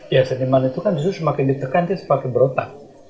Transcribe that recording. ya seniman itu kan justru semakin ditekan dia semakin berotak